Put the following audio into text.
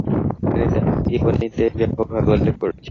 তিনি তার আত্মজীবনীতে ব্যাপকভাবে উল্লেখ করেছেন।